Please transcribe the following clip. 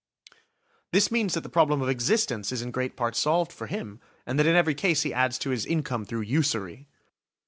This means that the problem of existence is in great part solved for him, and that in every case he adds to his income through usury.